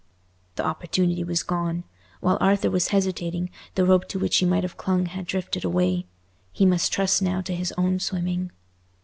The opportunity was gone. While Arthur was hesitating, the rope to which he might have clung had drifted away—he must trust now to his own swimming.